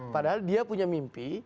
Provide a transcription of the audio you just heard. padahal dia punya mimpi